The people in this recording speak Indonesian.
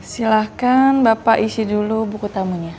silahkan bapak isi dulu buku tamunya